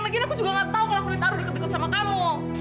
lagi aku juga gak tau kalau aku ditaruh diketik ketik sama kamu